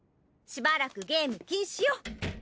しばらくゲーム禁止よ。